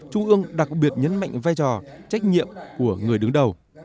trung ương đặc biệt nhấn mạnh vai trò trách nhiệm của người đứng đầu